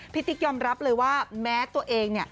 ติ๊กยอมรับเลยว่าแม้ตัวเอง